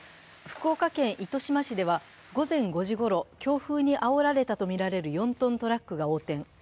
福岡県糸島市では午前５時ごろ強風にあおられたとみられる４トントラックが横転。